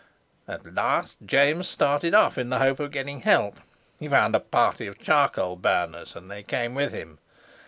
At last James started off in the hope of getting help. He found a party of charcoal burners, and they came with him.